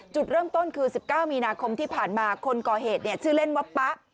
จุดเริ่มต้นคือ๑๙มีนาคมที่ผ่านมาคนก่อเหตุชื่อเล่นว่าป๊ะ